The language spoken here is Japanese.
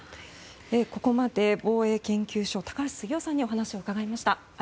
ここまで防衛研究所の高橋杉雄さんにお話を伺いました。